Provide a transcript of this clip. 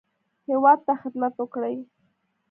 هیواد ته خدمت وکړي.